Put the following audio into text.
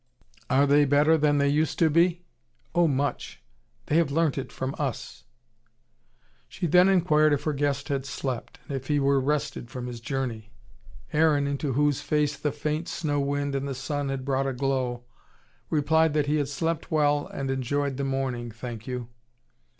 "Are they better than they used to be?" "Oh, much. They have learnt it from us." She then enquired if her guest had slept, and if he were rested from his journey. Aaron, into whose face the faint snow wind and the sun had brought a glow, replied that he had slept well and enjoyed the morning, thank you.